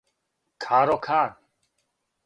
каро кан